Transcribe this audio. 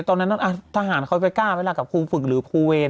ตอนนั้นทหารเขาจะกล้าเวลากับครูฝึกหรือครูเวร